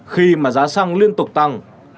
khi mà giá xăng liên tục tăng